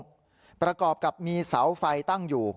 ซึ่งเป็นทางโค้งประกอบกับมีเสาไฟตั้งอยู่